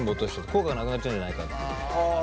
効果がなくなっちゃうんじゃないかっていう。